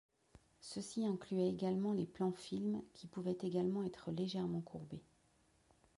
Ceci incluait également les plans-films, qui pouvaient également être légèrement courbés.